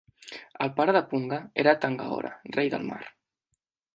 El pare de Punga era Tangaroa, rei del mar.